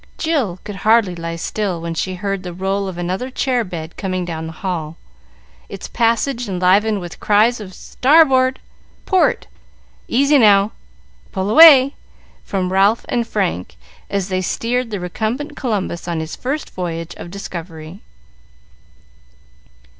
Jill could hardly lie still when she heard the roll of another chair bed coming down the hall, its passage enlivened with cries of "Starboard! Port! Easy now! Pull away!" from Ralph and Frank, as they steered the recumbent Columbus on his first voyage of discovery.